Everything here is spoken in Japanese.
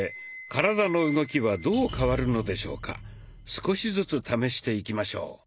少しずつ試していきましょう。